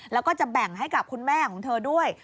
แล้วก็จะแบ่งให้กับคุณแม่ของเธอด้วย